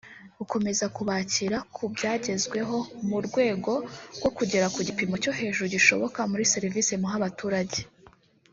gukomeza kubakira ku byagezweho mu rwego rwo kugera ku gipimo cyo hejuru gishoboka muri serivisi muha abaturage